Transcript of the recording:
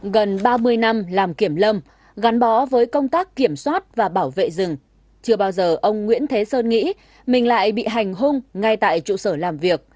gần ba mươi năm làm kiểm lâm gắn bó với công tác kiểm soát và bảo vệ rừng chưa bao giờ ông nguyễn thế sơn nghĩ mình lại bị hành hung ngay tại trụ sở làm việc